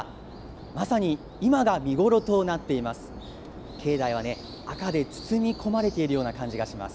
まさに今が見頃となっています。